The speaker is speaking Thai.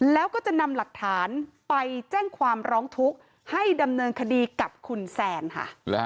แล้วก็จะนำหลักฐานไปแจ้งความร้องทุกข์ให้ดำเนินคดีกับคุณแซนค่ะ